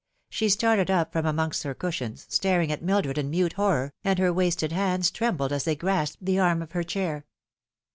She started up from amongst her cushions, staring at Mildred in mute horror, and her wasted hands trembled as they grasped the arm of her chair.